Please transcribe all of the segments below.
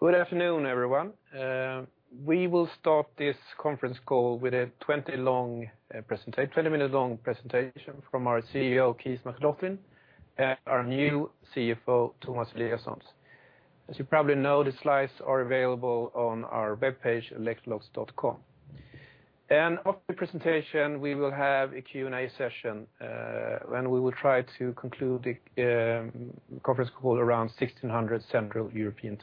Good afternoon, everyone. We will start this conference call with a 20-minute-long presentation from our CEO, Keith McLoughlin, and our new CFO, Tomas Eliasson. As you probably know, the slides are available on our webpage, Electrolux.com. After the presentation, we will have a Q&A session when we will try to conclude the conference call around 4:00PM Central European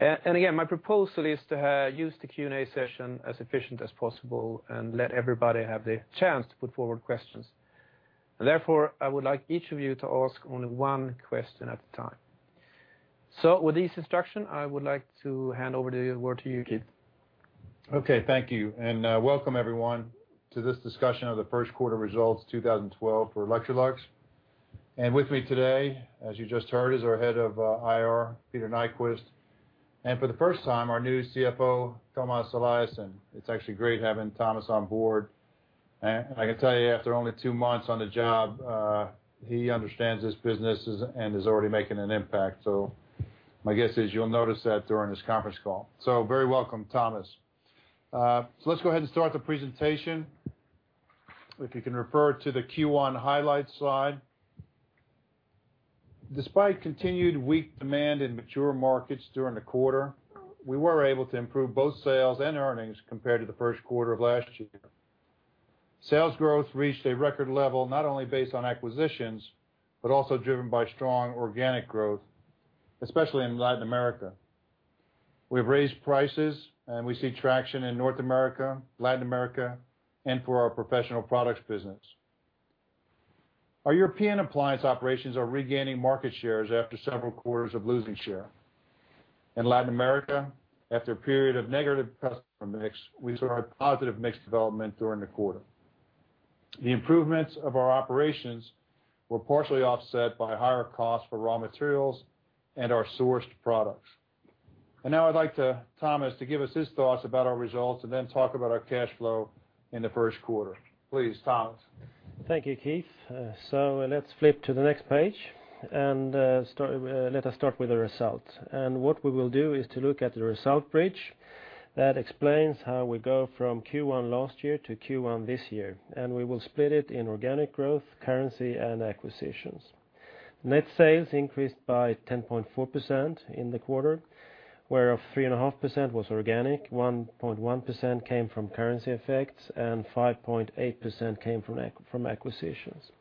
Time. Again, my proposal is to use the Q&A session as efficient as possible and let everybody have the chance to put forward questions. Therefore, I would like each of you to ask only one question at a time. With this instruction, I would like to hand over the word to you, Keith. Okay, thank you. Welcome everyone, to this discussion of the first quarter results, 2012 for Electrolux. With me today, as you just heard, is our Head of IR, Peter Nyquist, and for the first time, our new CFO, Tomas Eliasson. It's actually great having Tomas on board. I can tell you, after only 2 months on the job, he understands this business and is already making an impact. My guess is you'll notice that during this conference call. Very welcome, Tomas. Let's go ahead and start the presentation. If you can refer to the Q1 highlight slide. Despite continued weak demand in mature markets during the quarter, we were able to improve both sales and earnings compared to the first quarter of last year. Sales growth reached a record level, not only based on acquisitions, but also driven by strong organic growth, especially in Latin America. We've raised prices, and we see traction in North America, Latin America, and for our professional products business. Our European appliance operations are regaining market shares after several quarters of losing share. In Latin America, after a period of negative customer mix, we saw a positive mix development during the quarter. The improvements of our operations were partially offset by higher costs for raw materials and our sourced products. Now I'd like to Tomas, to give us his thoughts about our results and then talk about our cash flow in the first quarter. Please, Tomas. Thank you, Keith. So let's flip to the next page, let us start with the results. What we will do is to look at the result bridge that explains how we go from Q1 last year to Q1 this year, and we will split it in organic growth, currency, and acquisitions. Net sales increased by 10.4% in the quarter, where of 3.5% was organic, 1.1% came from currency effects, and 5.8% came from acquisitions.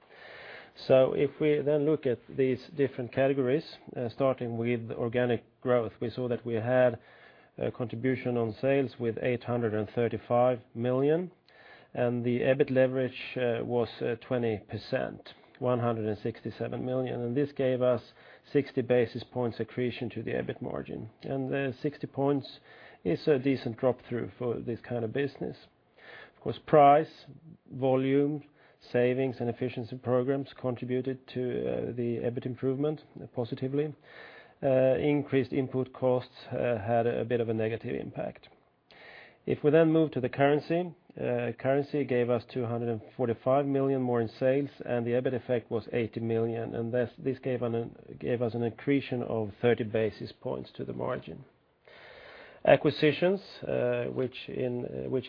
If we then look at these different categories, starting with organic growth, we saw that we had a contribution on sales with 835 million, and the EBIT leverage was 20%, 167 million, and this gave us 60 basis points accretion to the EBIT margin. The 60 points is a decent drop-through for this kind of business. Of course, price, volume, savings, and efficiency programs contributed to the EBIT improvement, positively. Increased input costs had a bit of a negative impact. If we then move to the currency gave us 245 million more in sales, and the EBIT effect was 80 million, and this gave us an accretion of 30 basis points to the margin. Acquisitions, which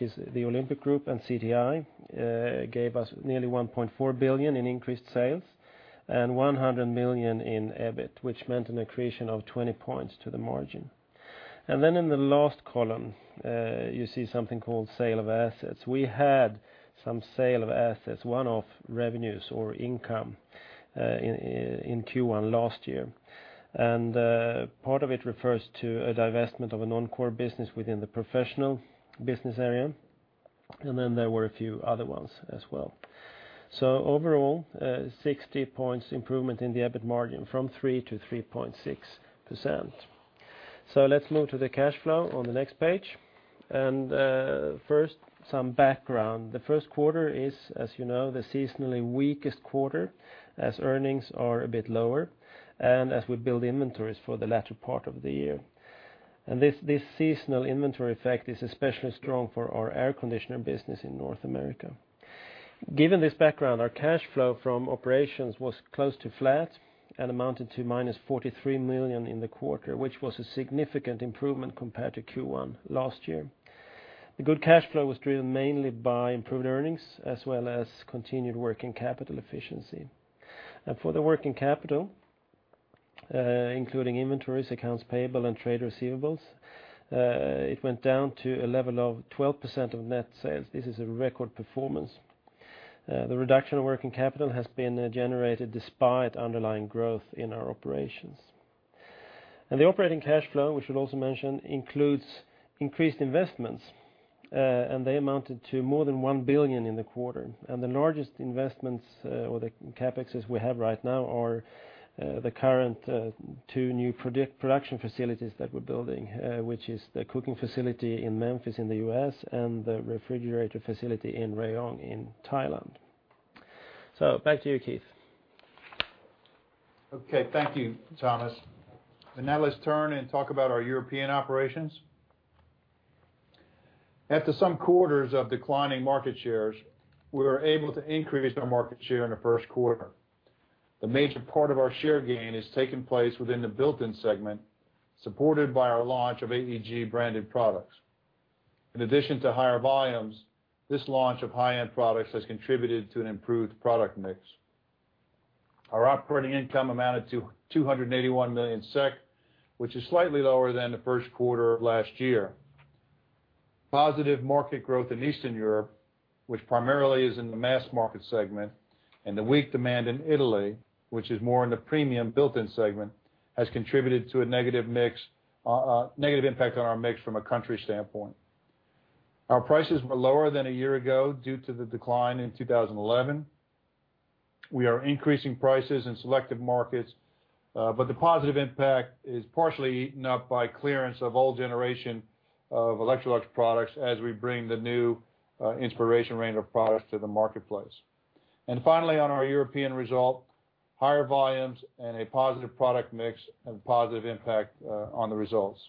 is the Olympic Group and CTI, gave us nearly 1.4 billion in increased sales and 100 million in EBIT, which meant an accretion of 20 points to the margin. In the last column, you see something called sale of assets. We had some sale of assets, one-off revenues or income, in Q1 last year. Part of it refers to a divestment of a non-core business within the professional business area, there were a few other ones as well. Overall, 60 points improvement in the EBIT margin, from 3%-3.6%. Let's move to the cash flow on the next page. First, some background. The first quarter is, as you know, the seasonally weakest quarter, as earnings are a bit lower, and as we build inventories for the latter part of the year. This seasonal inventory effect is especially strong for our air conditioner business in North America. Given this background, our cash flow from operations was close to flat and amounted to -43 million in the quarter, which was a significant improvement compared to Q1 last year. The good cash flow was driven mainly by improved earnings, as well as continued working capital efficiency. For the working capital, including inventories, accounts payable, and trade receivables, it went down to a level of 12% of net sales. This is a record performance. The reduction of working capital has been generated despite underlying growth in our operations. The operating cash flow, we should also mention, includes increased investments, and they amounted to more than 1 billion in the quarter. The largest investments, or the CapExes we have right now are the current two new production facilities that we're building, which is the cooking facility in Memphis, in the U.S., and the refrigerator facility in Rayong, in Thailand. Back to you, Keith. Okay, thank you, Tomas. Now let's turn and talk about our European operations. After some quarters of declining market shares, we were able to increase our market share in the first quarter. The major part of our share gain has taken place within the built-in segment, supported by our launch of AEG branded products. In addition to higher volumes, this launch of high-end products has contributed to an improved product mix. Our operating income amounted to 281 million SEK, which is slightly lower than the first quarter of last year. Positive market growth in Eastern Europe, which primarily is in the mass market segment, and the weak demand in Italy, which is more in the premium built-in segment, has contributed to a negative mix, a negative impact on our mix from a country standpoint. Our prices were lower than a year ago due to the decline in 2011. We are increasing prices in selective markets, the positive impact is partially eaten up by clearance of old generation of Electrolux products as we bring the new Inspiration Range of products to the marketplace. Finally, on our European result, higher volumes and a positive product mix have a positive impact on the results.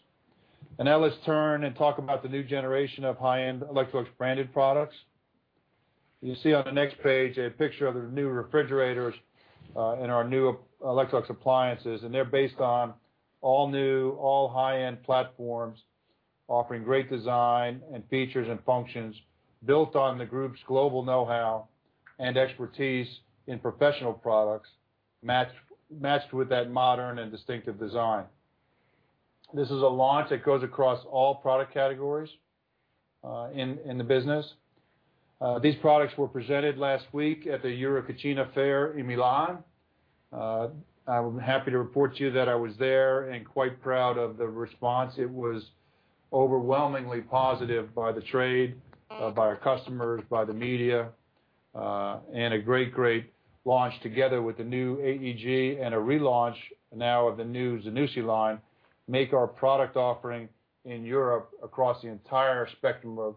Now let's turn and talk about the new generation of high-end Electrolux branded products. You see on the next page, a picture of the new refrigerators, and our new Electrolux appliances, they're based on all new, all high-end platforms, offering great design and features and functions built on the group's global know-how and expertise in professional products, matched with that modern and distinctive design. This is a launch that goes across all product categories in the business. These products were presented last week at the EuroCucina Fair in Milan. I'm happy to report to you that I was there and quite proud of the response. It was overwhelmingly positive by the trade, by our customers, by the media, and a great launch together with the new AEG and a relaunch now of the new Zanussi line, make our product offering in Europe across the entire spectrum of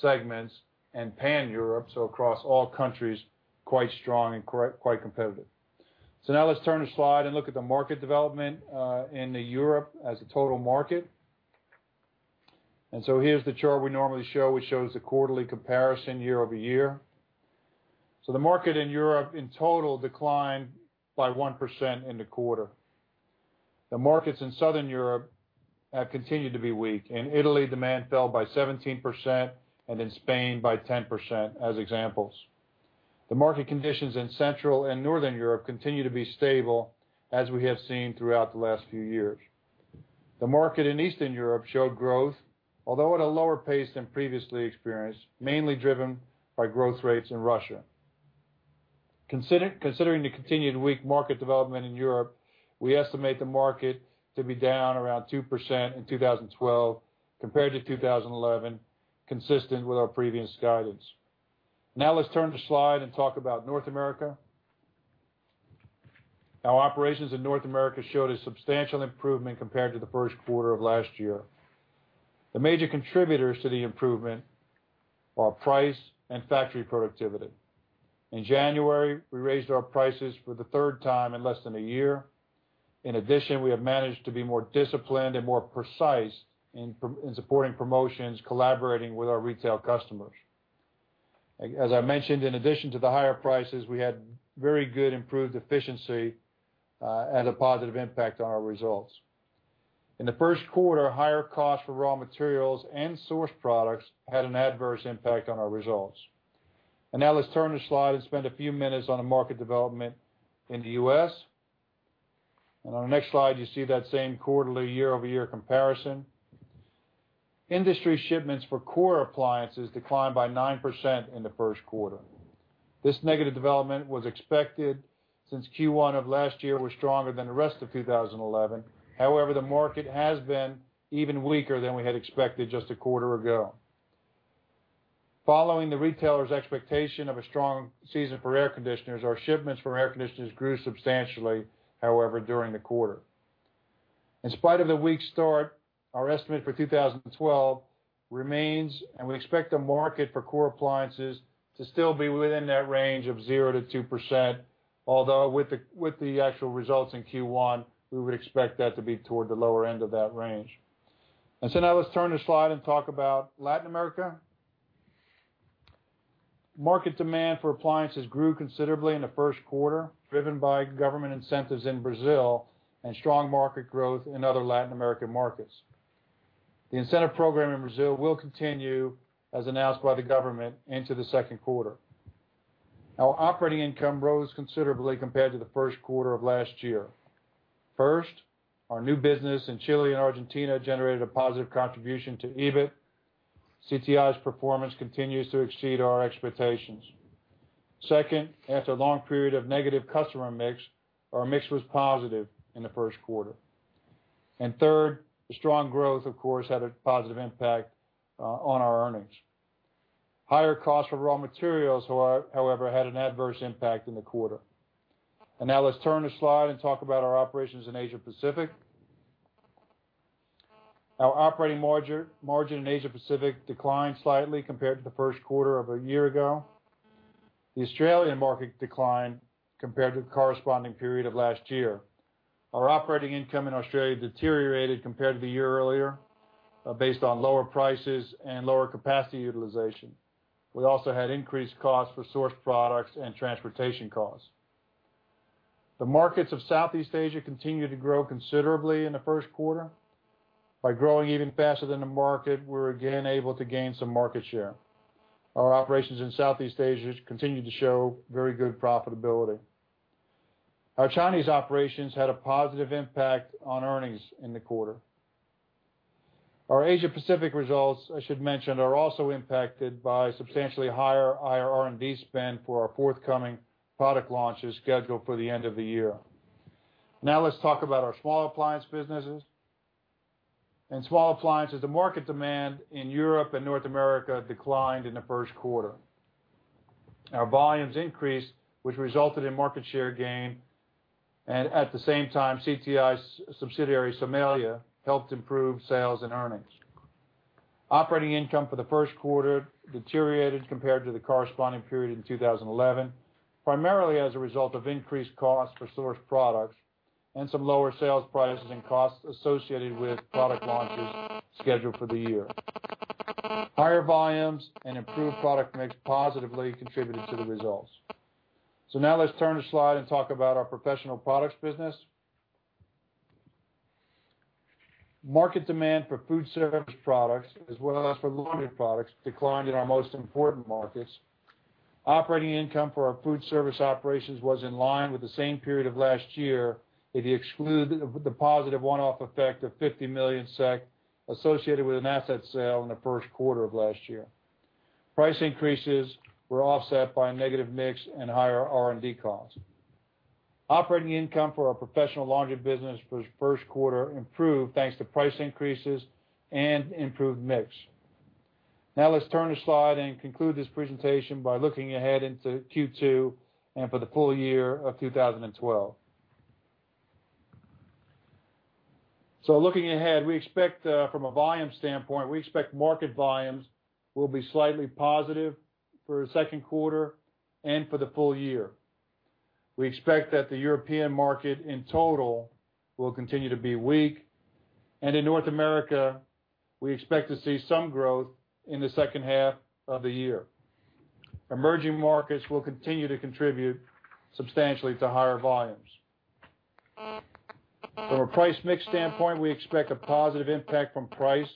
segments and Pan Europe, so across all countries, quite strong and quite competitive. Now let's turn the slide and look at the market development in Europe as a total market. Here's the chart we normally show, which shows the quarterly comparison year-over-year. The market in Europe, in total, declined by 1% in the quarter. The markets in Southern Europe have continued to be weak. In Italy, demand fell by 17% and in Spain by 10%, as examples. The market conditions in Central and Northern Europe continue to be stable, as we have seen throughout the last few years. The market in Eastern Europe showed growth, although at a lower pace than previously experienced, mainly driven by growth rates in Russia. Considering the continued weak market development in Europe, we estimate the market to be down around 2% in 2012 compared to 2011, consistent with our previous guidance. Let's turn the slide and talk about North America. Our operations in North America showed a substantial improvement compared to the first quarter of last year. The major contributors to the improvement are price and factory productivity. In January, we raised our prices for the third time in less than a year. In addition, we have managed to be more disciplined and more precise in supporting promotions, collaborating with our retail customers. As I mentioned, in addition to the higher prices, we had very good improved efficiency and a positive impact on our results. In the first quarter, higher cost for raw materials and source products had an adverse impact on our results. Now let's turn the slide and spend a few minutes on the market development in the U.S. On the next slide, you see that same quarterly year-over-year comparison. Industry shipments for core appliances declined by 9% in the first quarter. This negative development was expected since Q1 of last year was stronger than the rest of 2011. The market has been even weaker than we had expected just a quarter ago. Following the retailer's expectation of a strong season for air conditioners, our shipments for air conditioners grew substantially, however, during the quarter. In spite of the weak start, our estimate for 2012 remains. We expect the market for core appliances to still be within that range of 0%-2%, although with the actual results in Q1, we would expect that to be toward the lower end of that range. Now let's turn the slide and talk about Latin America. Market demand for appliances grew considerably in the first quarter, driven by government incentives in Brazil and strong market growth in other Latin American markets. The incentive program in Brazil will continue, as announced by the government, into the second quarter. Our operating income rose considerably compared to the first quarter of last year. First, our new business in Chile and Argentina generated a positive contribution to EBIT. CTI's performance continues to exceed our expectations. Second, after a long period of negative customer mix, our mix was positive in the first quarter. Third, the strong growth, of course, had a positive impact on our earnings. Higher cost for raw materials, however, had an adverse impact in the quarter. Now let's turn the slide and talk about our operations in Asia Pacific. Our operating margin in Asia Pacific declined slightly compared to the first quarter of a year ago. The Australian market declined compared to the corresponding period of last year. Our operating income in Australia deteriorated compared to the year earlier, based on lower prices and lower capacity utilization. We also had increased costs for source products and transportation costs. The markets of Southeast Asia continued to grow considerably in the first quarter. By growing even faster than the market, we're again able to gain some market share. Our operations in Southeast Asia continue to show very good profitability. Our Chinese operations had a positive impact on earnings in the quarter. Our Asia Pacific results, I should mention, are also impacted by substantially higher R&D spend for our forthcoming product launches scheduled for the end of the year. Now, let's talk about our small appliance businesses. In small appliances, the market demand in Europe and North America declined in the first quarter. Our volumes increased, which resulted in market share gain, and at the same time, CTI's subsidiary, CTI, helped improve sales and earnings. Operating income for the first quarter deteriorated compared to the corresponding period in 2011, primarily as a result of increased costs for source products and some lower sales prices and costs associated with product launches scheduled for the year. Higher volumes and improved product mix positively contributed to the results. Now let's turn the slide and talk about our professional products business. Market demand for food service products, as well as for laundry products, declined in our most important markets. Operating income for our food service operations was in line with the same period of last year, if you exclude the positive one-off effect of 50 million SEK, associated with an asset sale in the first quarter of last year. Price increases were offset by a negative mix and higher R&D costs. Operating income for our professional laundry business for the first quarter improved thanks to price increases and improved mix. Now, let's turn the slide and conclude this presentation by looking ahead into Q2 and for the full year of 2012. Looking ahead, we expect from a volume standpoint, we expect market volumes will be slightly positive for the second quarter and for the full year. We expect that the European market in total will continue to be weak, and in North America, we expect to see some growth in the second half of the year. Emerging markets will continue to contribute substantially to higher volumes. From a price mix standpoint, we expect a positive impact from price,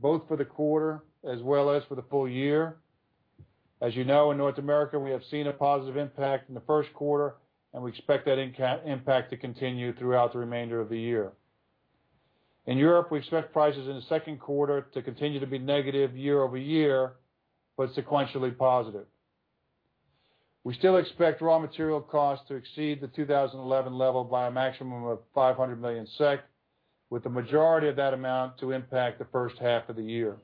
both for the quarter as well as for the full year. As you know, in North America, we have seen a positive impact in the first quarter, and we expect that impact to continue throughout the remainder of the year. In Europe, we expect prices in the second quarter to continue to be negative year-over-year, but sequentially positive. We still expect raw material costs to exceed the 2011 level by a maximum of 500 million SEK, with the majority of that amount to impact the first half of the year.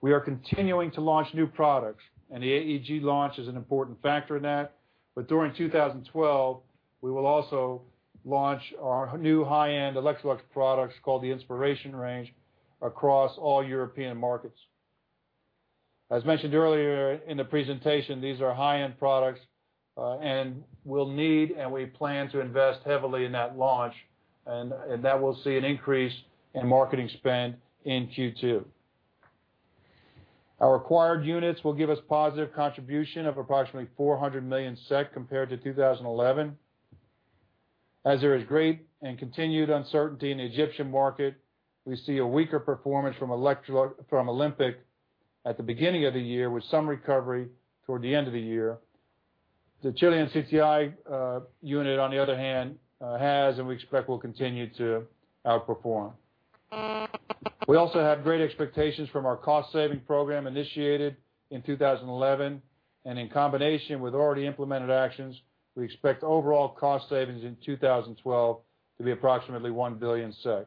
We are continuing to launch new products, and the AEG launch is an important factor in that, but during 2012, we will also launch our new high-end Electrolux products called the Inspiration Range across all European markets. As mentioned earlier in the presentation, these are high-end products, and we plan to invest heavily in that launch, and that will see an increase in marketing spend in Q2. Our acquired units will give us positive contribution of approximately 400 million SEK compared to 2011. As there is great and continued uncertainty in the Egyptian market, we see a weaker performance from Olympic at the beginning of the year, with some recovery toward the end of the year. The Chilean CTI unit, on the other hand, has, and we expect will continue to outperform. We also have great expectations from our cost-saving program initiated in 2011, and in combination with already implemented actions, we expect overall cost savings in 2012 to be approximately 1 billion SEK.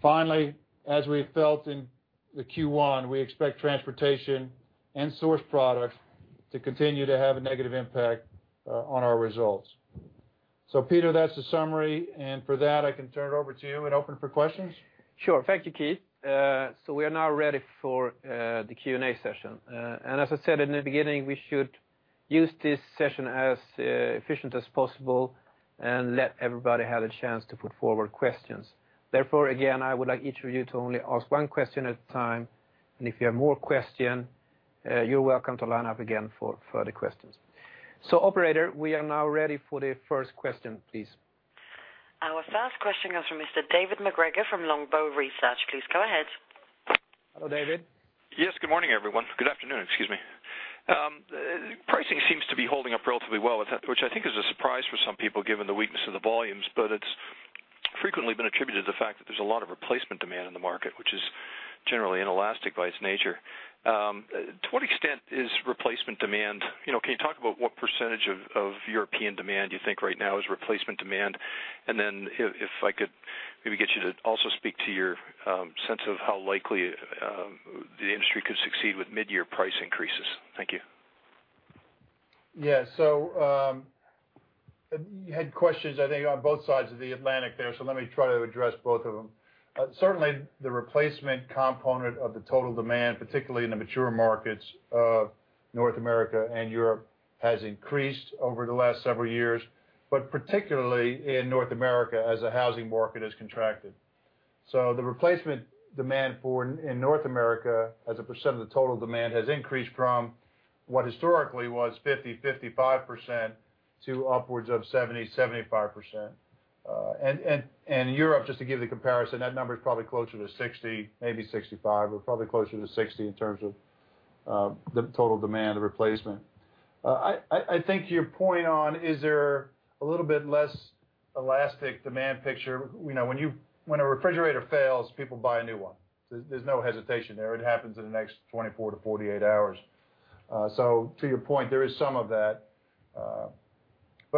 Finally, as we felt in the Q1, we expect transportation and source products to continue to have a negative impact on our results. Peter, that's the summary, and for that, I can turn it over to you and open for questions. Sure. Thank you, Keith. We are now ready for the Q&A session. As I said in the beginning, we should use this session as efficient as possible and let everybody have a chance to put forward questions. Therefore, again, I would like each of you to only ask one question at a time, and if you have more question, you're welcome to line up again for further questions. Operator, we are now ready for the first question, please. Our first question comes from Mr. David MacGregor from Longbow Research. Please go ahead. Hello, David. Yes, good morning, everyone. Good afternoon, excuse me. pricing seems to be holding up relatively well, which I think is a surprise for some people, given the weakness of the volumes, but it's frequently been attributed to the fact that there's a lot of replacement demand in the market, which is generally inelastic by its nature. to what extent is replacement demand? You know, can you talk about what percentage of European demand you think right now is replacement demand? Then if I could maybe get you to also speak to your sense of how likely the industry could succeed with mid-year price increases. Thank you.... Yeah, you had questions, I think, on both sides of the Atlantic there, so let me try to address both of them. Certainly, the replacement component of the total demand, particularly in the mature markets of North America and Europe, has increased over the last several years, but particularly in North America, as the housing market has contracted. The replacement demand for, in North America, as a % of the total demand, has increased from what historically was 50%-55% to upwards of 70%-75%. And Europe, just to give the comparison, that number is probably closer to 60%, maybe 65%, but probably closer to 60% in terms of the total demand, the replacement. I think your point on, is there a little bit less elastic demand picture? You know, when a refrigerator fails, people buy a new one. There's no hesitation there. It happens in the next 24-48 hours. To your point, there is some of that.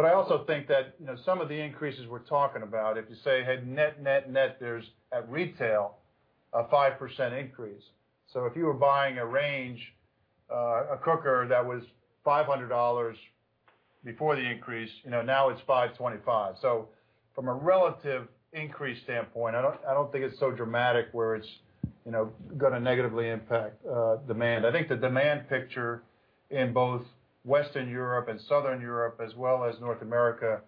I also think that, you know, some of the increases we're talking about, if you say, had net, net, there's, at retail, a 5% increase. If you were buying a range, a cooker that was $500 before the increase, you know, now it's $525. From a relative increase standpoint, I don't think it's so dramatic where it's, you know, gonna negatively impact demand. I think the demand picture in both Western Europe and Southern Europe as well as North America,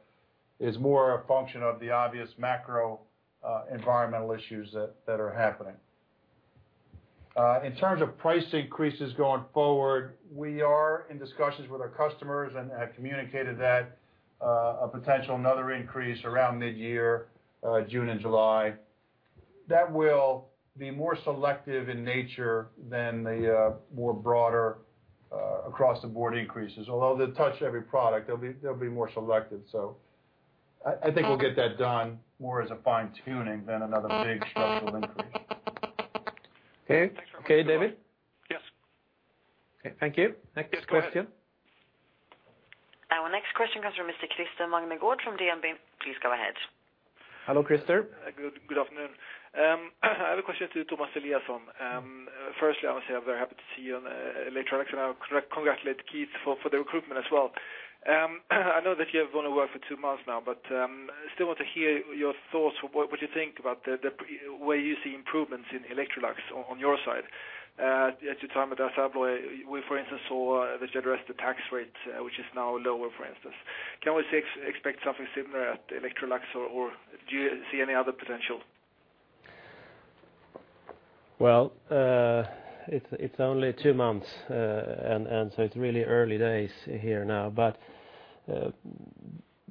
is more a function of the obvious macro environmental issues that are happening. In terms of price increases going forward, we are in discussions with our customers and have communicated that a potential, another increase around mid-year, June and July. That will be more selective in nature than the more broader, across the board increases. Although they'll touch every product, they'll be more selective. I think we'll get that done more as a fine-tuning than another big structural increase. Okay. Okay, David? Yes. Okay. Thank you. Yes, go ahead. Next question. Our next question comes from Mr. Christer Magnergård from DNB. Please go ahead. Hello, Christer. Good afternoon. I have a question to Tomas Eliasson. Firstly, I would say I'm very happy to see you on Electrolux, and I congratulate Keith for the recruitment as well. I know that you have gone to work for two months now, but I still want to hear your thoughts. What do you think about where you see improvements in Electrolux on your side? At the time of the subway, we, for instance, saw that you addressed the tax rate, which is now lower, for instance. Can we expect something similar at Electrolux, or do you see any other potential? Well, it's only two months, so it's really early days here now, but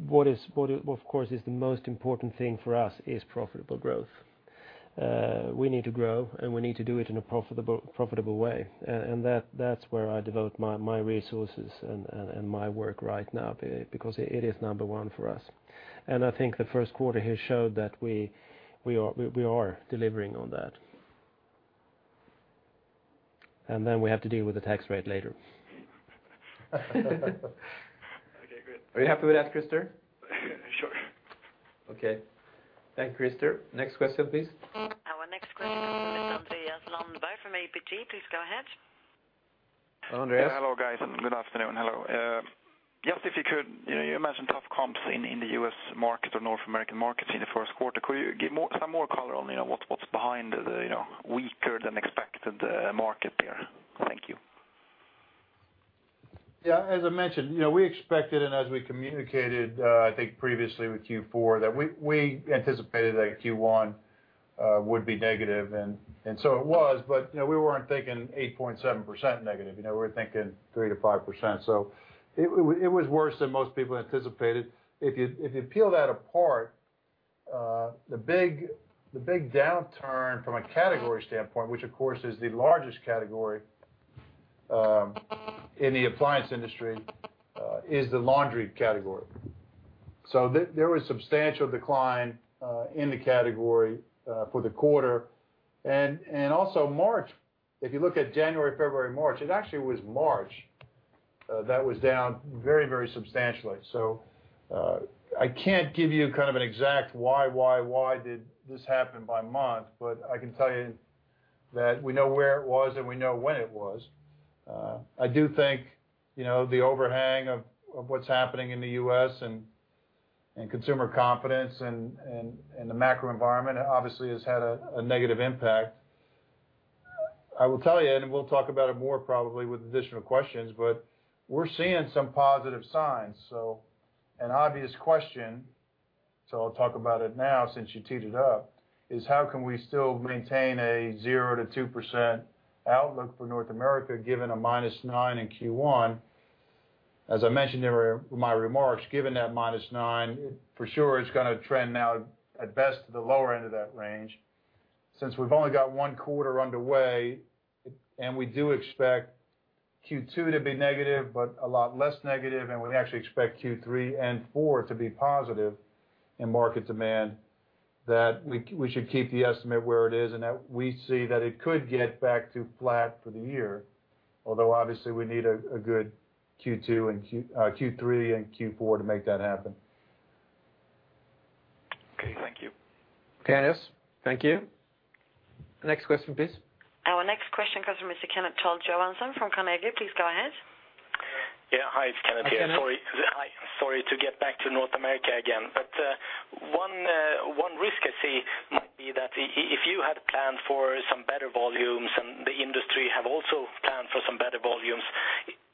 what of course, is the most important thing for us is profitable growth. We need to grow, and we need to do it in a profitable way. That's where I devote my resources and my work right now because it is number one for us. I think the first quarter here showed that we are delivering on that. Then we have to deal with the tax rate later. Okay, good. Are you happy with that, Christer? Sure. Okay. Thank you, Christer. Next question, please. Our next question is from Andreas Lundberg from ABG Sundal Collier. Please go ahead. Andreas. Hello, guys. Good afternoon. Hello. Just if you could, you know, you mentioned tough comps in the U.S. market or North American markets in the first quarter. Could you give some more color on, you know, what's behind the, you know, weaker than expected market there? Thank you. As I mentioned, you know, we expected, and as we communicated, I think previously with Q4, that we anticipated that Q1 would be negative and so it was. You know, we weren't thinking 8.7% negative. You know, we were thinking 3%-5%, so it was worse than most people anticipated. If you peel that apart, the big downturn from a category standpoint, which, of course, is the largest category in the appliance industry, is the laundry category. There was substantial decline in the category for the quarter. Also March, if you look at January, February, March, it actually was March that was down very substantially. I can't give you kind of an exact why did this happen by month, but I can tell you that we know where it was, and we know when it was. I do think, you know, the overhang of what's happening in the U.S. and consumer confidence and the macro environment obviously has had a negative impact. I will tell you, we'll talk about it more probably with additional questions, but we're seeing some positive signs. An obvious question, so I'll talk about it now, since you teed it up, is how can we still maintain a 0%-2% outlook for North America, given a -9% in Q1? As I mentioned in my remarks, given that -9%, for sure, it's gonna trend now at best to the lower end of that range. Since we've only got 1 quarter underway, and we do expect Q2 to be negative, but a lot less negative, and we actually expect Q3 and Q4 to be positive in market demand, that we should keep the estimate where it is and that we see that it could get back to flat for the year, although obviously we need a good Q2 and Q3 and Q4 to make that happen. Thank you. Okay, yes, thank you. Next question, please. Our next question comes from Mr. Kenneth Toll Johansson from Carnegie. Please go ahead. Yeah. Hi, it's Kenneth here. Sorry, hi. Sorry, to get back to North America again, but one risk I see might be that if you had planned for some better volumes, and the industry have also planned for some better volumes,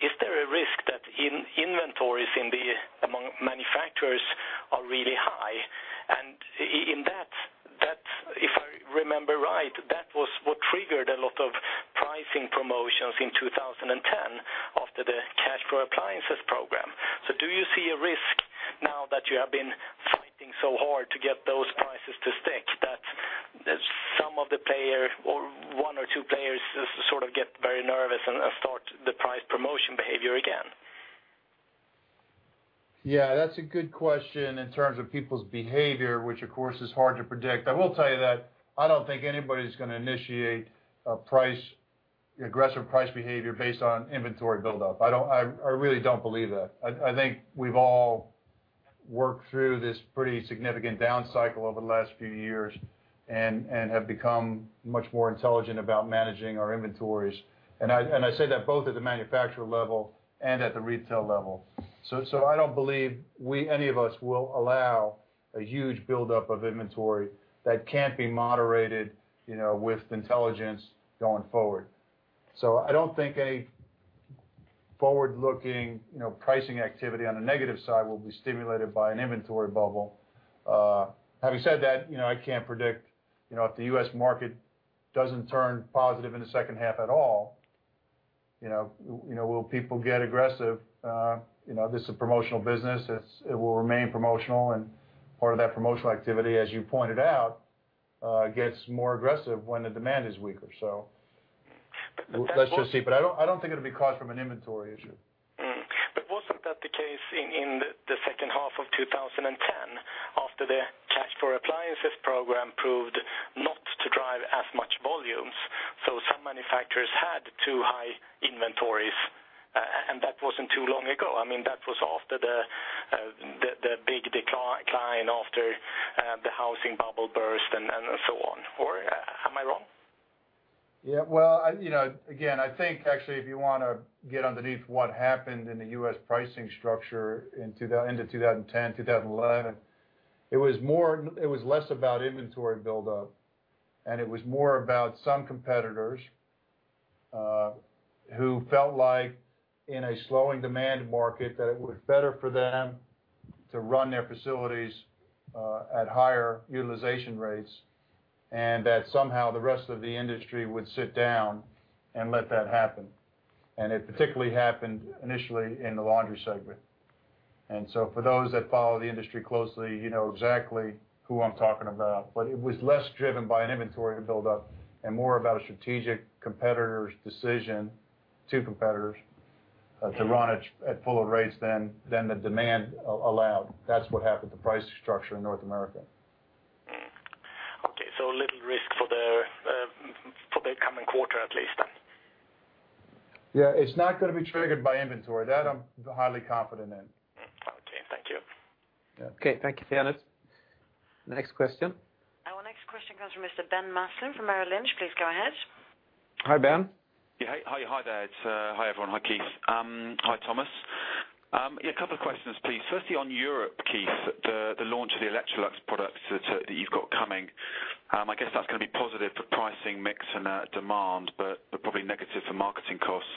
is there a risk that inventories among manufacturers are really high? In that's if I remember right, that was what triggered a lot of pricing promotions in 2010 after the Cash for Appliances program. Do you see a risk now that you have been fighting so hard to get those prices to stick that some of the players or one or two players sort of get very nervous and start the price promotion behavior again? Yeah, that's a good question in terms of people's behavior, which, of course, is hard to predict. I will tell you that I don't think anybody's gonna initiate a price, aggressive price behavior based on inventory buildup. I really don't believe that. I think we've all worked through this pretty significant down cycle over the last few years and have become much more intelligent about managing our inventories. I say that both at the manufacturer level and at the retail level. I don't believe we, any of us, will allow a huge buildup of inventory that can't be moderated, you know, with intelligence going forward. I don't think any forward-looking, you know, pricing activity on the negative side will be stimulated by an inventory bubble. Having said that, you know, I can't predict, you know, if the U.S. market doesn't turn positive in the second half at all, you know, will people get aggressive? You know, this is a promotional business. It will remain promotional and part of that promotional activity, as you pointed out, gets more aggressive when the demand is weaker. that was- Let's just see. I don't think it'll be caused from an inventory issue. wasn't that the case in the second half of 2010, after the Cash for Appliances program proved not to drive as much volumes, so some manufacturers had too high inventories, and that wasn't too long ago. I mean, that was after the big decline after the housing bubble burst and so on, or am I wrong? Well, you know, again, I think actually, if you wanna get underneath what happened in the U.S. pricing structure in end of 2010-2011, it was less about inventory buildup, and it was more about some competitors who felt like in a slowing demand market, that it was better for them to run their facilities at higher utilization rates, and that somehow the rest of the industry would sit down and let that happen. It particularly happened initially in the laundry segment. For those that follow the industry closely, you know exactly who I'm talking about. It was less driven by an inventory buildup and more about a strategic competitor's decision, two competitors, to run at fuller rates than the demand allowed. That's what happened to price structure in North America. Okay, little risk for the for the coming quarter, at least. Yeah, it's not gonna be triggered by inventory. That I'm highly confident in. Okay, thank you. Yeah. Okay. Thank you, Kenneth. Next question. Our next question comes from Mr. Ben Maslen from Merrill Lynch. Please go ahead. Hi, Ben. Hi, hi there. It's... Hi, everyone. Hi, Keith. Hi, Tomas. A couple of questions, please. Firstly, on Europe, Keith, the launch of the Electrolux products that you've got coming, I guess that's gonna be positive for pricing, mix, and demand, but probably negative for marketing costs.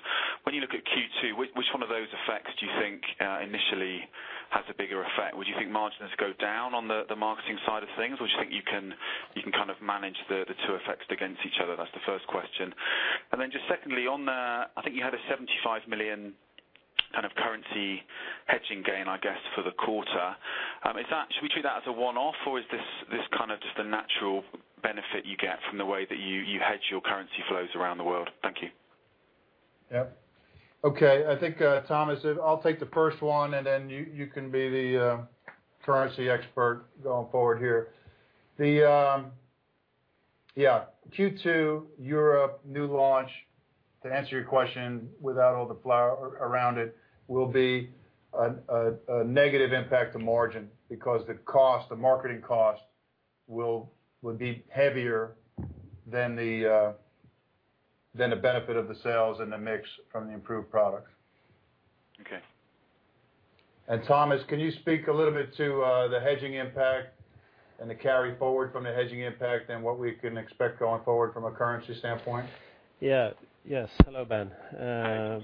When you look at Q2, which one of those effects do you think initially has a bigger effect? Would you think margins go down on the marketing side of things, or do you think you can kind of manage the two effects against each other? That's the first question. Just secondly, on the, I think you had a 75 million kind of currency hedging gain, I guess, for the quarter. Should we treat that as a one-off, or is this kind of just the natural benefit you get from the way that you hedge your currency flows around the world? Thank you. Yep. Okay. I think, Tomas, I'll take the first one, and then you can be the currency expert going forward here. Yeah, Q2 Europe new launch, to answer your question, without all the flower around it, will be a negative impact to margin because the cost, the marketing cost, will be heavier than the benefit of the sales and the mix from the improved products. Okay. Tomas, can you speak a little bit to the hedging impact and the carry forward from the hedging impact and what we can expect going forward from a currency standpoint? Yeah. Yes. Hello, Ben. Hi.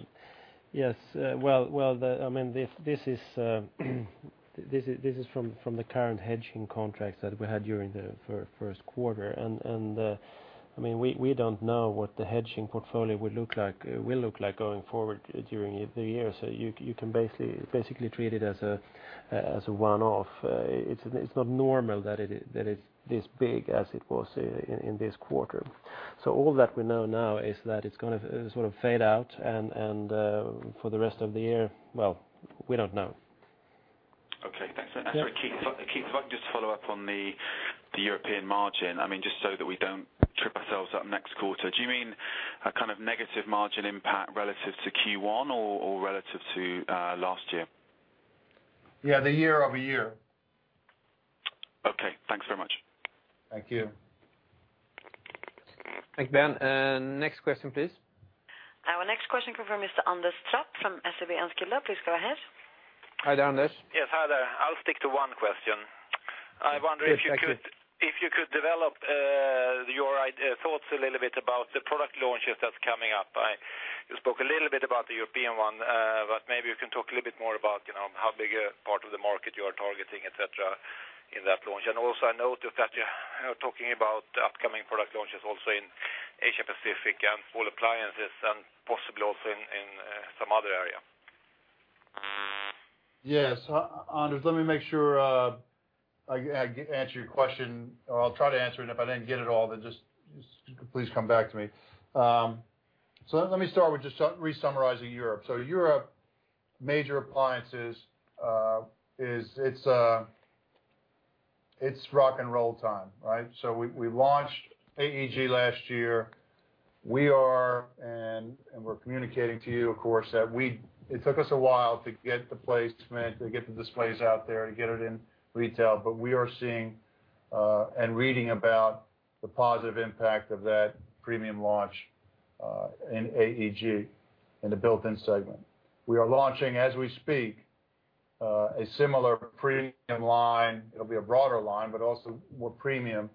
Yes. Well, I mean, this is from the current hedging contracts that we had during the first quarter. I mean, we don't know what the hedging portfolio will look like going forward during the year. You can basically treat it as a one-off. It's not normal that it's this big as it was in this quarter. All that we know now is that it's gonna sort of fade out, and for the rest of the year, well, we don't know. Okay. Thanks. Yeah. Sorry, Keith, if I can just follow up on the European margin, I mean, just so that we.... ourselves up next quarter. Do you mean a kind of negative margin impact relative to Q1 or relative to last year? Yeah, the year-over-year. Okay, thanks so much. Thank you. Thank you, Ben. Next question, please. Our next question come from Mr. Anders Trapp from SEB Enskilda. Please go ahead. Hi there, Anders. Yes, hi there. I'll stick to one question. Yes, thank you. I wonder if you could, if you could develop your idea, thoughts a little bit about the product launches that's coming up. You spoke a little bit about the European one, but maybe you can talk a little bit more about, you know, how big a part of the market you are targeting, et cetera, in that launch. I noticed that you know, talking about upcoming product launches also in Asia-Pacific and small appliances and possibly also in some other area. Yes. Anders, let me make sure I answer your question, or I'll try to answer it, and if I didn't get it all, just please come back to me. Let me start with just re-summarizing Europe. Europe, major appliances, it's rock and roll time, right? We launched AEG last year. We are, and we're communicating to you, of course, that it took us a while to get the placement, to get the displays out there, to get it in retail. We are seeing and reading about the positive impact of that premium launch in AEG, in the built-in segment. We are launching, as we speak, a similar premium line. It'll be a broader line, but also more premium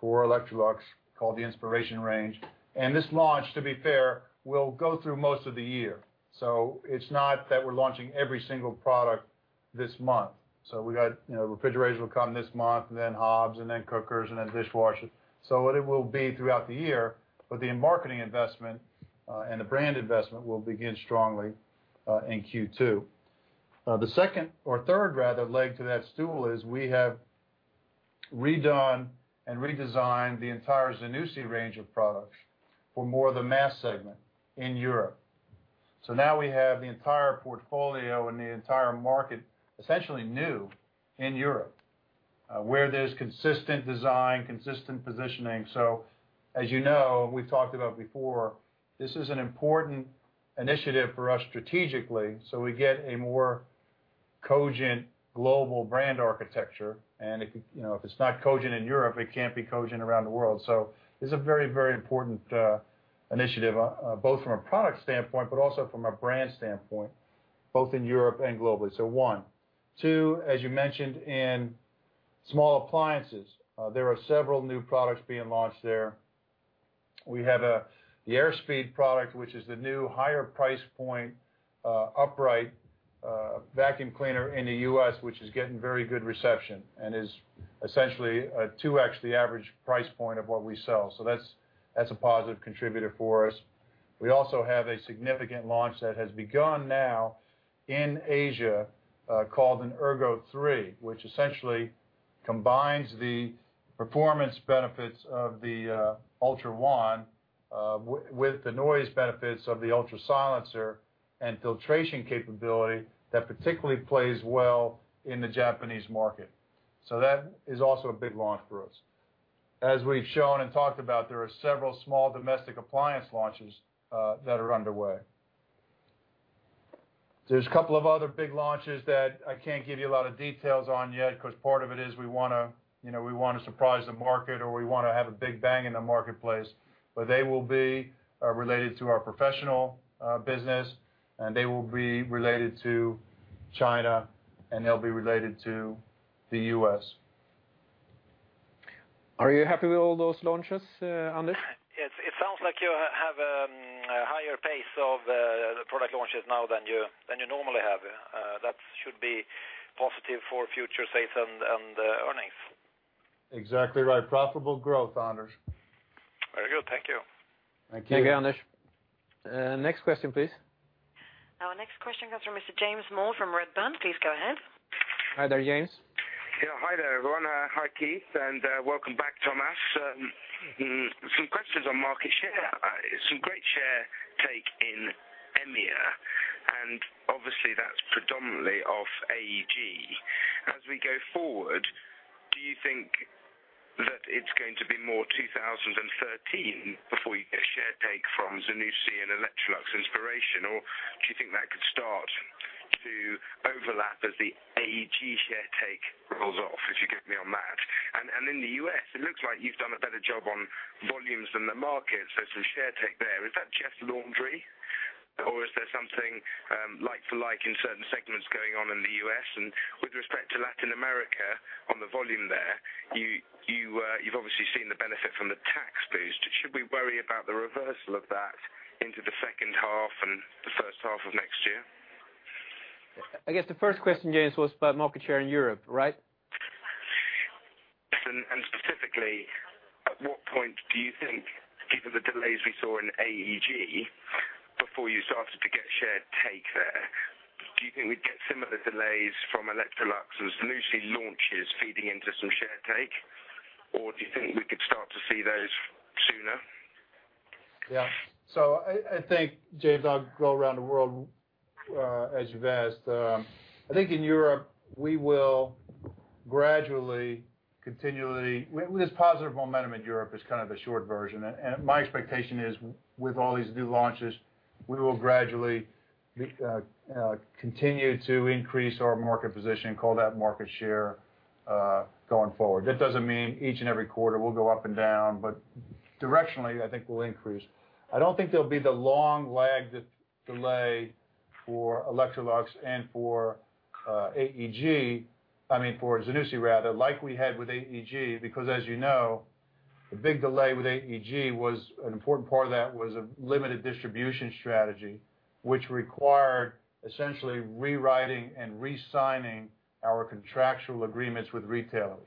for Electrolux, called the Inspiration range. This launch, to be fair, will go through most of the year, so it's not that we're launching every single product this month. We got, you know, refrigerators will come this month, and then hobs, and then cookers, and then dishwashers. It will be throughout the year, but the marketing investment and the brand investment will begin strongly in Q2. The second or third rather, leg to that stool, is we have redone and redesigned the entire Zanussi range of products for more of the mass segment in Europe. Now we have the entire portfolio and the entire market, essentially new in Europe, where there's consistent design, consistent positioning. As you know, we've talked about before, this is an important initiative for us strategically, so we get a more cogent global brand architecture, and if, you know, if it's not cogent in Europe, it can't be cogent around the world. It's a very, very important initiative, both from a product standpoint, but also from a brand standpoint, both in Europe and globally. One. Two, as you mentioned, in small appliances, there are several new products being launched there. We have a, the AirSpeed product, which is the new higher price point, upright vacuum cleaner in the U.S., which is getting very good reception, and is essentially a 2x the average price point of what we sell. That's a positive contributor for us. We also have a significant launch that has begun now in Asia, called an ErgoThree, which essentially combines the performance benefits of the UltraOne, with the noise benefits of the UltraSilencer and filtration capability that particularly plays well in the Japanese market. That is also a big launch for us. As we've shown and talked about, there are several small domestic appliance launches that are underway. There's a couple of other big launches that I can't give you a lot of details on yet, 'cause part of it is we wanna, you know, we wanna surprise the market, or we wanna have a big bang in the marketplace. They will be related to our professional business, and they will be related to China, and they'll be related to the U.S. Are you happy with all those launches, Anders? Yes. It sounds like you have a higher pace of the product launches now than you normally have. That should be positive for future sales and earnings. Exactly right. Profitable growth, Anders. Very good. Thank you. Thank you. Thank you, Anders. Next question, please. Our next question comes from Mr. James Moore from Redburn. Please go ahead. Hi there, James. Yeah, hi there, everyone. Hi, Keith, and welcome back, Tomas. Some questions on market share. Some great share take in EMEA, and obviously, that's predominantly of AEG. As we go forward, do you think that it's going to be more 2013 before you get a share take from Zanussi and Electrolux Inspiration, or do you think that could start to overlap as the AEG share take rolls off? If you get me on that. In the U.S., it looks like you've done a better job on volumes than the market, so some share take there. Is that just laundry, or is there something like to like in certain segments going on in the U.S.? With respect to Latin America, on the volume there, you've obviously seen the benefit from the tax boost. Should we worry about the reversal of that into the second half and the first half of next year? I guess the first question, James, was about market share in Europe, right? Yes, and specifically, at what point do you think, given the delays we saw in AEG, before you started to get share take there, do you think we'd get similar delays from Electrolux and Zanussi launches feeding into some share take? Or do you think we could start to see those sooner? Yeah. I think, James, I'll go around the world, as you've asked. I think in Europe, we will gradually, this positive momentum in Europe is kind of a short version, and my expectation is, with all these new launches, we will gradually continue to increase our market position, call that market share, going forward. That doesn't mean each and every quarter will go up and down, but directionally, I think we'll increase. I don't think there'll be the long lag, that delay for Electrolux and for AEG, I mean, for Zanussi rather, like we had with AEG, because as you know, the big delay with AEG was, an important part of that was a limited distribution strategy, which required essentially rewriting and re-signing our contractual agreements with retailers.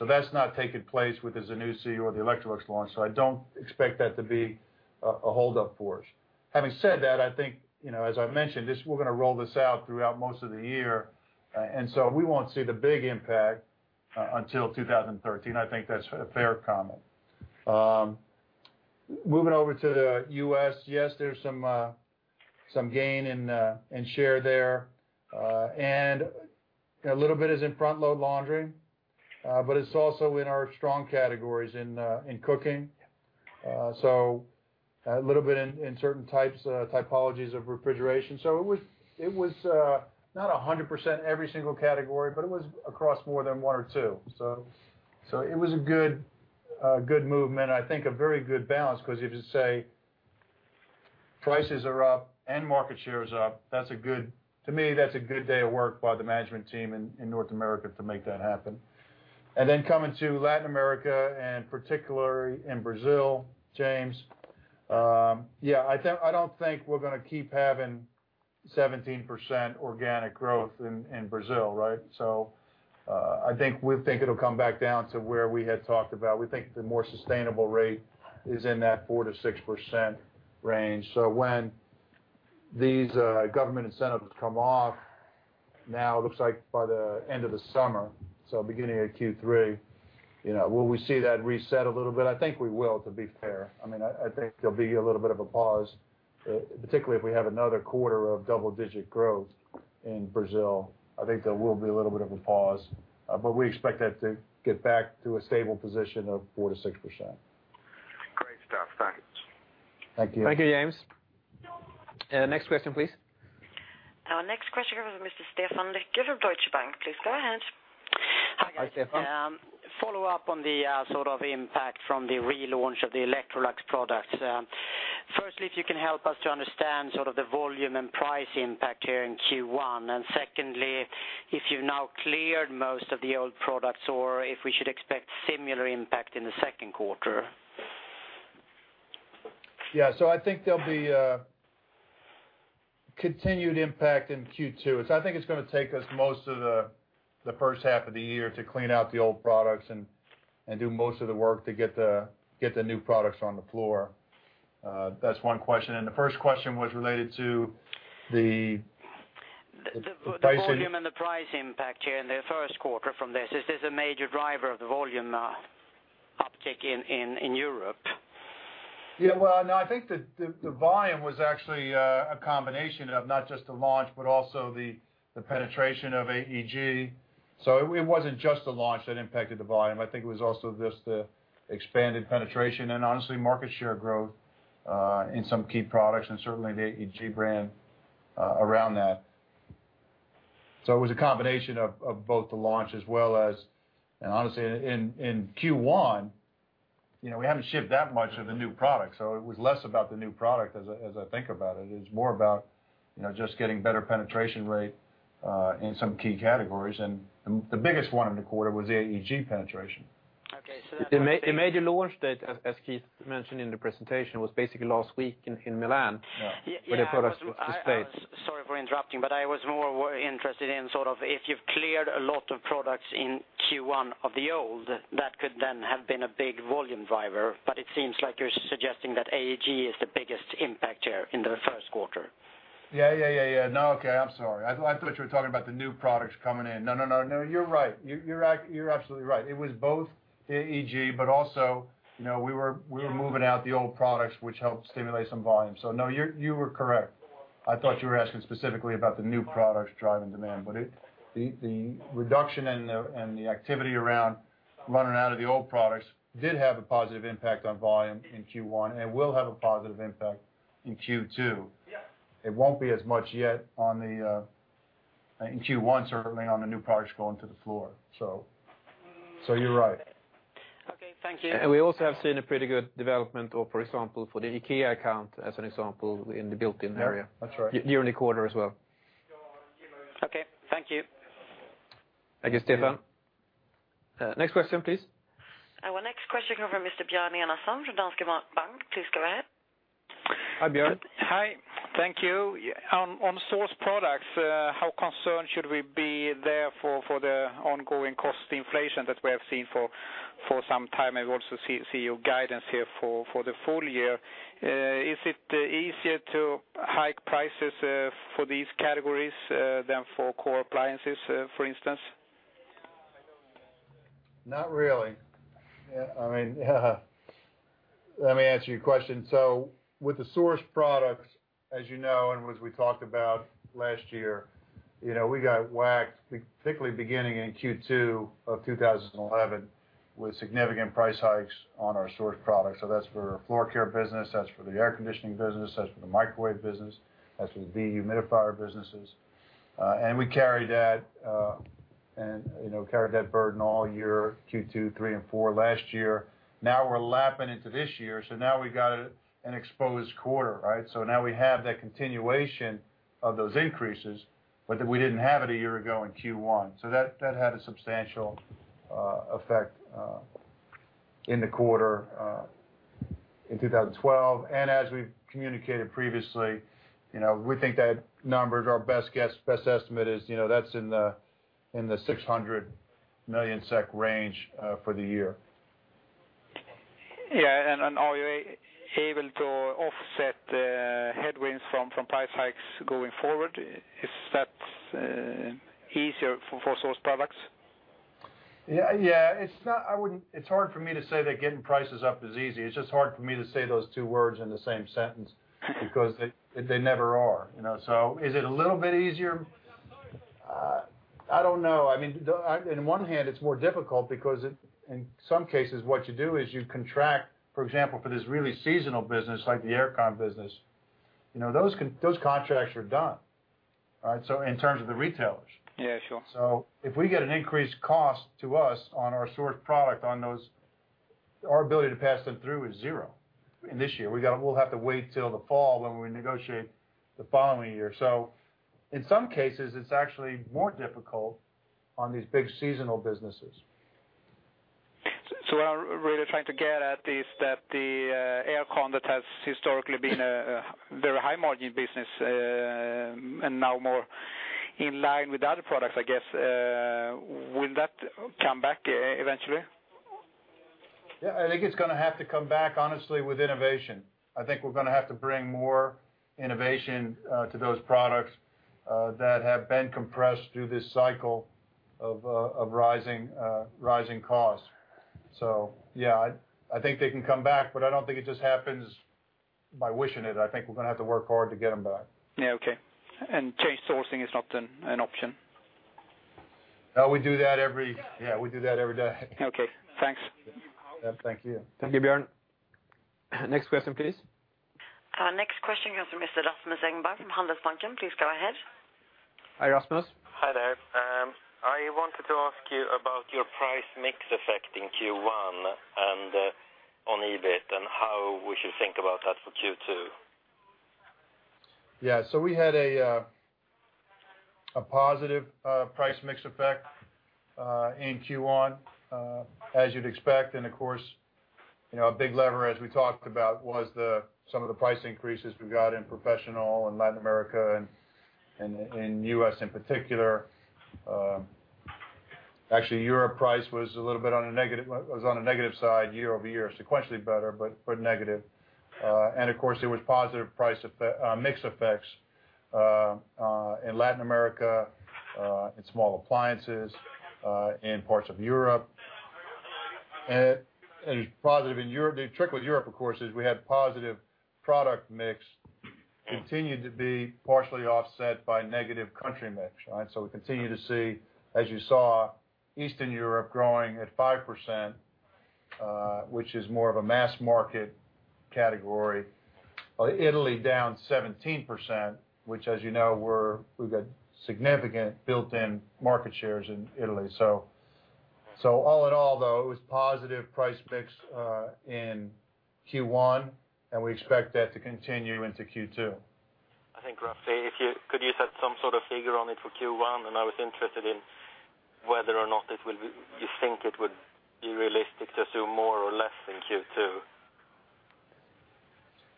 That's not taking place with the Zanussi or the Electrolux launch, so I don't expect that to be a hold up for us. Having said that, I think, you know, as I've mentioned, we're gonna roll this out throughout most of the year, we won't see the big impact until 2013. I think that's a fair comment. Moving over to the U.S., yes, there's some gain in share there, a little bit is in front-load laundry, it's also in our strong categories in cooking. A little bit in certain types, typologies of refrigeration. It was not 100% every single category, it was across more than one or two. It was a good movement, I think a very good balance, because if you say, prices are up and market share is up, to me, that's a good day of work by the management team in North America to make that happen. Coming to Latin America, and particularly in Brazil, James, yeah, I think, I don't think we're gonna keep having 17% organic growth in Brazil, right? I think, we think it'll come back down to where we had talked about. We think the more sustainable rate is in that 4%-6% range. When these government incentives come off, now it looks like by the end of the summer, beginning of Q3, you know, will we see that reset a little bit? I think we will, to be fair. I mean, I think there'll be a little bit of a pause, particularly if we have another quarter of double-digit growth in Brazil, I think there will be a little bit of a pause, but we expect that to get back to a stable position of 4%-6%. Great stuff. Thanks. Thank you. Thank you, James. Next question, please. Our next question comes from Mr. Stefan Schneider from Deutsche Bank. Please go ahead. Hi, Stefan. Follow up on the sort of impact from the relaunch of the Electrolux products. Firstly, if you can help us to understand sort of the volume and price impact here in Q1, and secondly, if you've now cleared most of the old products, or if we should expect similar impact in the second quarter? Yeah, I think there'll be a continued impact in Q2. I think it's gonna take us most of the first half of the year to clean out the old products and do most of the work to get the new products on the floor. That's one question, the first question was related to. The volume- Price The price impact here in the first quarter from this. Is this a major driver of the volume uptick in Europe? Yeah, well, no, I think the volume was actually a combination of not just the launch, but also the penetration of AEG. It wasn't just the launch that impacted the volume. I think it was also just the expanded penetration and honestly, market share growth in some key products and certainly the AEG brand around that. It was a combination of both the launch as well as. Honestly, in Q1, you know, we haven't shipped that much of the new product, so it was less about the new product as I think about it. It's more about, you know, just getting better penetration rate in some key categories, and the biggest one in the quarter was the AEG penetration. Okay. The major launch date, as Keith mentioned in the presentation, was basically last week in Milan. Yeah. With the products to stay. Sorry for interrupting, I was more interested in sort of, if you've cleared a lot of products in Q1 of the old, that could then have been a big volume driver, but it seems like you're suggesting that AEG is the biggest impact here in the first quarter. Yeah. No, okay. I'm sorry. I thought you were talking about the new products coming in. No, you're right. You're right, you're absolutely right. It was both AEG, but also, you know, we were moving out the old products, which helped stimulate some volume. No, you were correct. I thought you were asking specifically about the new products driving demand, but the reduction in the, and the activity around running out of the old products did have a positive impact on volume in Q1, and will have a positive impact in Q2. It won't be as much yet on the, in Q1, certainly on the new products going to the floor. You're right. Okay, thank you. We also have seen a pretty good development, or for example, for the IKEA account, as an example, in the built-in area. Yeah, that's right. Year in the quarter as well. Okay, thank you. Thank you, Stefan. Next question, please. Our next question come from Mr. Björn Enarson from Danske Bank. Please go ahead. Hi, Björn. Hi, thank you. On source products, how concerned should we be there for the ongoing cost inflation that we have seen for some time? We also see your guidance here for the full year. Is it easier to hike prices for these categories than for core appliances, for instance?... Not really. Yeah, I mean, let me answer your question. With the source products, as you know, and as we talked about last year, you know, we got whacked, particularly beginning in Q2 of 2011, with significant price hikes on our source products. That's for floor care business, that's for the air conditioning business, that's for the microwave business, that's for the humidifier businesses. And we carried that, and, you know, carried that burden all year, Q2, three, and four last year. Now we're lapping into this year, now we've got an exposed quarter, right? Now we have that continuation of those increases, but that we didn't have it a year ago in Q1. That had a substantial effect in the quarter in 2012. As we've communicated previously, you know, we think that numbers, our best guess, best estimate is, you know, that's in the 600 million SEK range, for the year. Yeah, are you able to offset the headwinds from price hikes going forward? Is that easier for source products? Yeah, yeah, it's hard for me to say that getting prices up is easy. It's just hard for me to say those two words in the same sentence because they never are, you know. Is it a little bit easier? I don't know. I mean, in one hand, it's more difficult because it, in some cases, what you do is you contract, for example, for this really seasonal business, like the air con business, you know, those contracts are done. All right, in terms of the retailers. Yeah, sure. If we get an increased cost to us on our source product, on those, our ability to pass them through is zero in this year. We'll have to wait till the fall when we negotiate the following year. In some cases, it's actually more difficult on these big seasonal businesses. What I'm really trying to get at is that the air con that has historically been a very high margin business, and now more in line with other products, I guess, will that come back eventually? Yeah, I think it's gonna have to come back, honestly, with innovation. I think we're gonna have to bring more innovation to those products that have been compressed through this cycle of rising costs. Yeah, I think they can come back, but I don't think it just happens by wishing it. I think we're gonna have to work hard to get them back. Yeah, okay. Change sourcing is not an option? We do that every, yeah, we do that every day. Okay, thanks. Yeah, thank you. Thank you, Björn. Next question, please. Next question comes from Mr. Rasmus Engberg from Handelsbanken. Please go ahead. Hi, Rasmus. Hi there. I wanted to ask you about your price mix effect in Q1 and on EBIT and how we should think about that for Q2. We had a positive price mix effect in Q1, as you'd expect. Of course, you know, a big lever, as we talked about, was some of the price increases we got in professional in Latin America and in U.S. in particular. Actually, Europe price was a little bit on a negative, was on a negative side, year-over-year, sequentially better, but negative. Of course, there was positive price effect, mix effects in Latin America, in small appliances, in parts of Europe. Positive in Europe. The trick with Europe, of course, is we had positive product mix continued to be partially offset by negative country mix, right? We continue to see, as you saw, Eastern Europe growing at 5%, which is more of a mass market category. Italy down 17%, which, as you know, we've got significant built-in market shares in Italy. All in all, though, it was positive price mix in Q1, and we expect that to continue into Q2. I think roughly, could you set some sort of figure on it for Q1? I was interested in whether or not You think it would be realistic to assume more or less in Q2?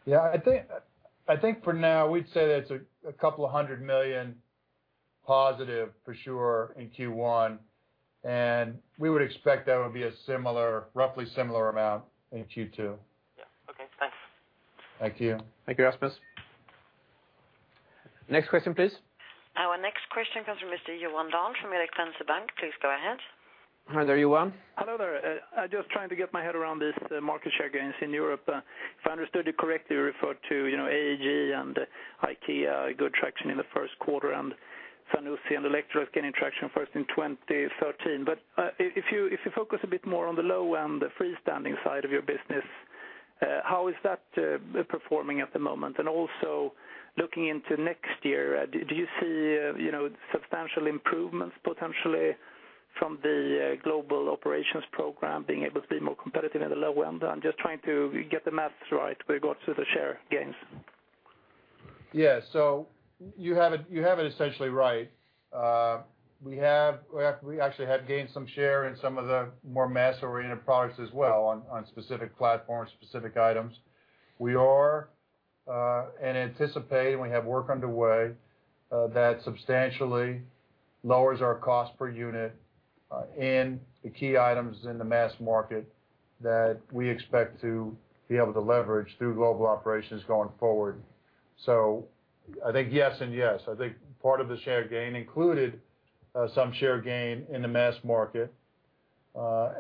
Yeah, I think for now, we'd say that's a SEK couple of hundred million positive for sure in Q1, and we would expect that would be a similar, roughly similar amount in Q2. Yeah. Okay, thanks. Thank you. Thank you, Rasmus. Next question, please. Our next question comes from Mr. Johan Dahl from Erik Penser Bank. Please go ahead. Hi there, Johan. Hello there. I'm just trying to get my head around this, the market share gains in Europe. If I understood you correctly, you referred to, you know, AEG and IKEA, good traction in the first quarter, and Zanussi and Electrolux gaining traction first in 2013. If you focus a bit more on the low end, the freestanding side of your business, how is that performing at the moment? Also, looking into next year, do you see, you know, substantial improvements potentially from the global operations program, being able to be more competitive in the low end? I'm just trying to get the math right with regards to the share gains. You have it, you have it essentially right. We actually have gained some share in some of the more mass-oriented products as well, on specific platforms, specific items. We are, and anticipate, and we have work underway, that substantially lowers our cost per unit, in the key items in the mass market that we expect to be able to leverage through global operations going forward. I think yes, and yes. I think part of the share gain included, some share gain in the mass market,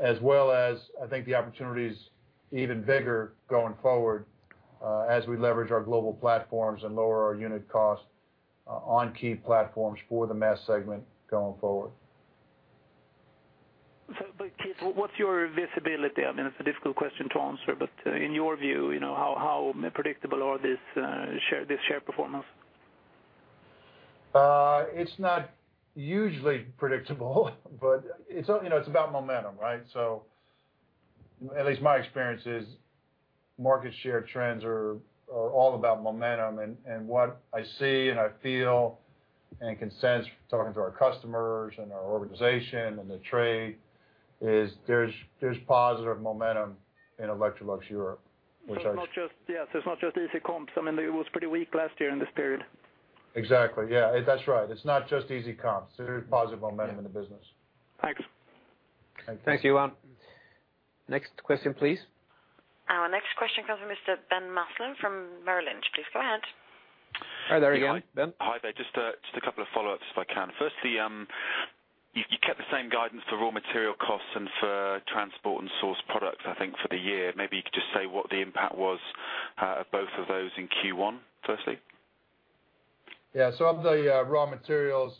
as well as I think the opportunity is even bigger going forward, as we leverage our global platforms and lower our unit cost, on key platforms for the mass segment going forward. Keith, what's your visibility? I mean, it's a difficult question to answer, but, in your view, you know, how predictable are this share performance? It's not usually predictable, but it's, you know, it's about momentum, right? At least my experience is market share trends are all about momentum, and what I see, and I feel, and can sense talking to our customers and our organization and the trade, is there's positive momentum in Electrolux Europe. Yes, it's not just easy comps. I mean, it was pretty weak last year in this period. Exactly. Yeah, that's right. It's not just easy comps. There is positive momentum in the business. Thanks. Thank you. Thanks Johan. Next question, please. Our next question comes from Mr. Ben Maslen from Merrill Lynch. Please go ahead. Hi there again, Ben. Hi there. Just a couple of follow-ups, if I can. Firstly, you kept the same guidance for raw material costs and for transport and source products, I think, for the year. Maybe you could just say what the impact was of both of those in Q1, firstly. Yeah. Of the raw materials,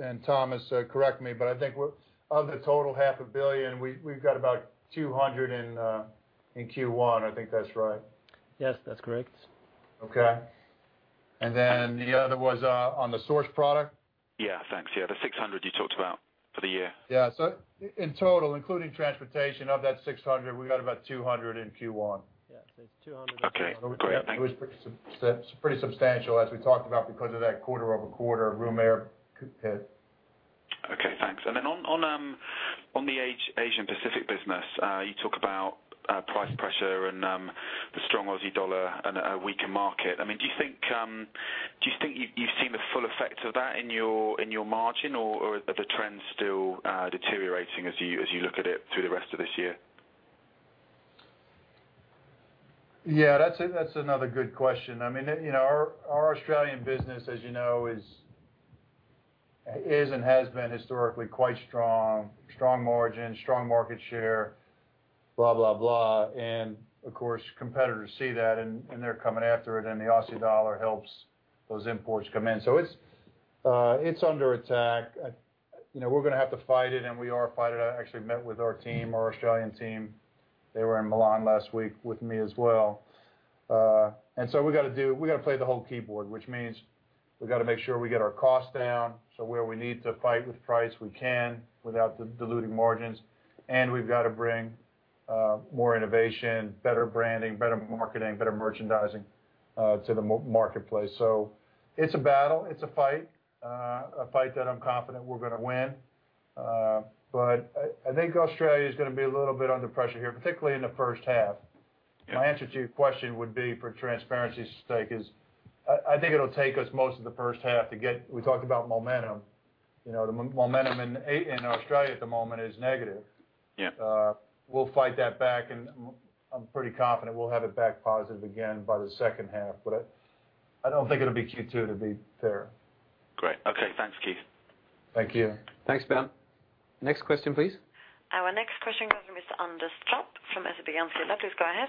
and Tomas, correct me, but I think of the total 500 million, we've got about 200 million in Q1. I think that's right. Yes, that's correct. Okay. Then the other was, on the source product? Yeah. Thanks. Yeah, the 600 million you talked about for the year. Yeah. In total, including transportation, of that 600 million, we got about 200 million in Q1. Yeah, it's 200 million- Okay. Great, thank you. It's pretty substantial, as we talked about, because of that quarter-over-quarter room air hit. Okay, thanks. Then on, on the Asian Pacific business, you talk about price pressure and the strong Aussie dollar and a weaker market. I mean, do you think you've seen the full effects of that in your margin or are the trends still deteriorating as you look at it through the rest of this year? Yeah, that's another good question. I mean, you know, our Australian business, as you know, is and has been historically quite strong. Strong margin, strong market share, blah, blah. Of course, competitors see that and they're coming after it, and the Aussie dollar helps those imports come in. It's under attack. You know, we're gonna have to fight it, and we are fighting it. I actually met with our team, our Australian team. They were in Milan last week with me as well. We gotta play the whole keyboard, which means we've gotta make sure we get our costs down, so where we need to fight with price, we can, without diluting margins. We've got to bring more innovation, better branding, better marketing, better merchandising to the marketplace. It's a battle. It's a fight, a fight that I'm confident we're gonna win. I think Australia is gonna be a little bit under pressure here, particularly in the first half. My answer to your question would be, for transparency's sake, is I think it'll take us most of the first half to get. We talked about momentum. You know, the momentum in Australia at the moment is negative. Yeah. We'll fight that back, and I'm pretty confident we'll have it back positive again by the second half, but I don't think it'll be Q2, to be fair. Great. Okay, thanks, Keith. Thank you. Thanks, Ben. Next question, please. Our next question comes from Mr. Anders Trapp from SEB Enskilda. Please go ahead.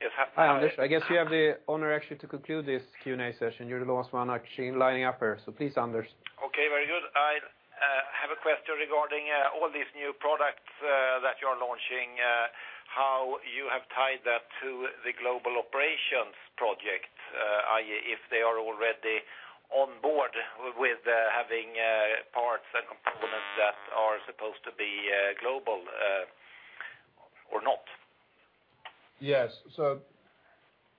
Yes. Hi, Anders. I guess you have the honor actually, to conclude this Q&A session. You're the last one actually lining up here, so please, Anders. Okay, very good. I have a question regarding all these new products that you're launching, how you have tied that to the global operations project? i.e., if they are already on board with having parts and components that are supposed to be global, or not? Yes,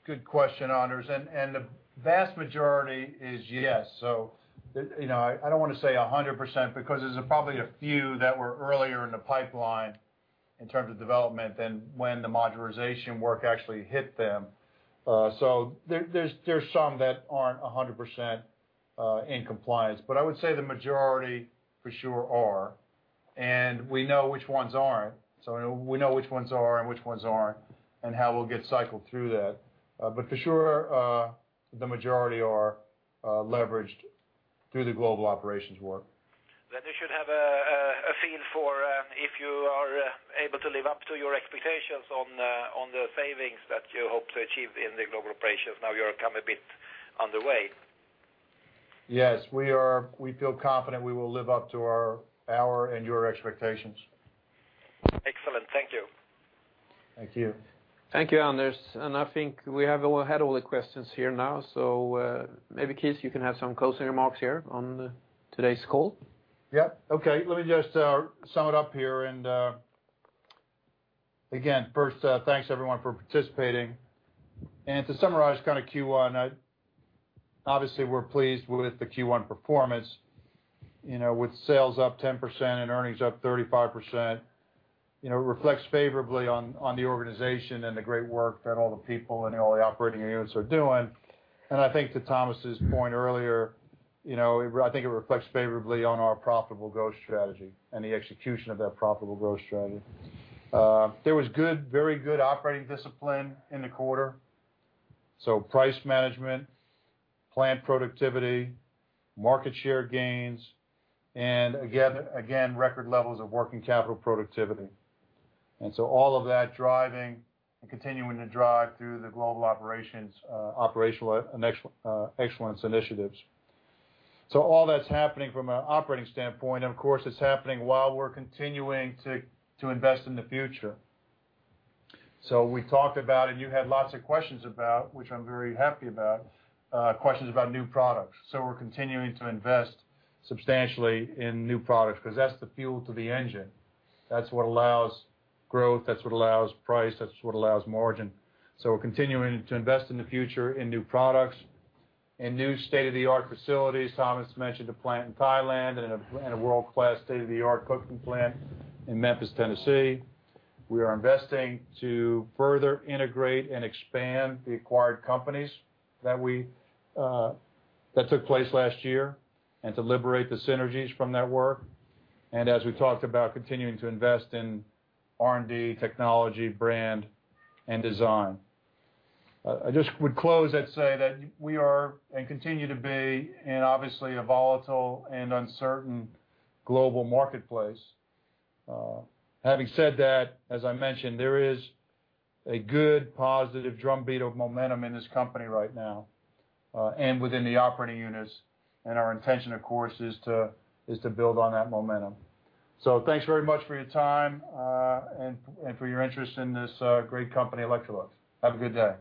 good question, Anders, and the vast majority is yes. You know, I don't want to say 100% because there's probably a few that were earlier in the pipeline in terms of development than when the modularization work actually hit them. There's some that aren't 100% in compliance, but I would say the majority, for sure are, and we know which ones aren't. We know which ones are and which ones aren't, and how we'll get cycled through that. For sure, the majority are leveraged through the global operations work. You should have a feel for if you are able to live up to your expectations on the savings that you hope to achieve in the global operations. Now, you have come a bit on the way. Yes, we feel confident we will live up to our and your expectations. Excellent. Thank you. Thank you. Thank you, Anders, and I think we have had all the questions here now, so, maybe, Keith, you can have some closing remarks here on today's call. Yeah. Okay. Let me just sum it up here. Again, first, thanks, everyone, for participating. To summarize kind of Q1, obviously, we're pleased with the Q1 performance, you know, with sales up 10% and earnings up 35%. You know, it reflects favorably on the organization and the great work that all the people and all the operating units are doing. I think to Tomas's point earlier, you know, I think it reflects favorably on our profitable growth strategy and the execution of that profitable growth strategy. There was good, very good operating discipline in the quarter. Price management, plant productivity, market share gains, and again, record levels of working capital productivity. All of that driving and continuing to drive through the global operations, operational excellence initiatives. All that's happening from an operating standpoint, and of course, it's happening while we're continuing to invest in the future. We talked about, and you had lots of questions about, which I'm very happy about, questions about new products. We're continuing to invest substantially in new products, because that's the fuel to the engine. That's what allows growth, that's what allows price, that's what allows margin. We're continuing to invest in the future, in new products, in new state-of-the-art facilities. Tomas mentioned a plant in Thailand and a world-class, state-of-the-art cooking plant in Memphis, Tennessee. We are investing to further integrate and expand the acquired companies that we that took place last year, and to liberate the synergies from that work. As we talked about, continuing to invest in R&D, technology, brand, and design. I just would close and say that we are, and continue to be, in obviously a volatile and uncertain global marketplace. Having said that, as I mentioned, there is a good positive drumbeat of momentum in this company right now, and within the operating units, and our intention, of course, is to build on that momentum. Thanks very much for your time, and for your interest in this, great company, Electrolux. Have a good day.